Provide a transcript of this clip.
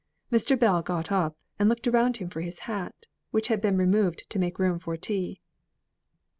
Mr. Bell got up and looked around him for his hat, which had been removed to make room for tea.